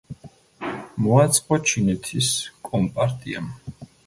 მოაწყო ჩინეთის კომპარტიამ.